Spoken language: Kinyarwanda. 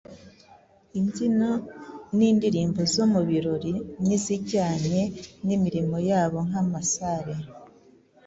imbyino n’indirimbo zo mu birori n’izijyanye n’imirimo yabo nk’amasare